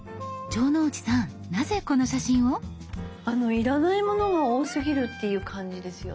要らないものが多すぎるっていう感じですよね。